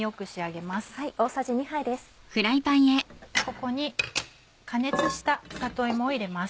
ここに加熱した里芋を入れます。